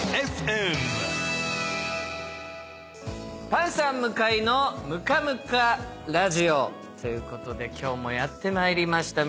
パンサー向井の『ムカムカｒａｄｉｏ』ということで今日もやってまいりました。